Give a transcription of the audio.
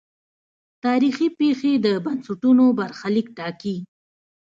تاریخي پېښې د بنسټونو برخلیک ټاکي.